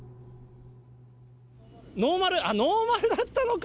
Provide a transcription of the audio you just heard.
ノーマル、ノーマルだったのか。